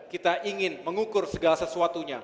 kita ingin mengukur segala sesuatunya